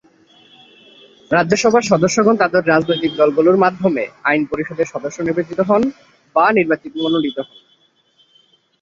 রাজ্যসভার সদস্যগণ তাদের রাজনৈতিক দলগুলির মাধ্যমে আইন পরিষদের সদস্য নির্বাচিত হন এবং/বা মনোনীত হন।